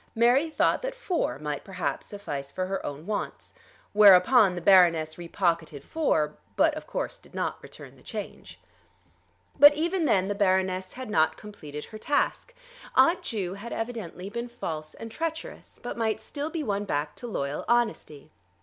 Mary thought that four might perhaps suffice for her own wants; whereupon the Baroness re pocketed four, but of course did not return the change. But even then the Baroness had not completed her task. Aunt Ju had evidently been false and treacherous, but might still be won back to loyal honesty.